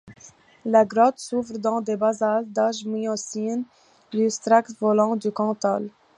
La grotte s'ouvre dans des basaltes d'âge miocène du stratovolcan du Cantal.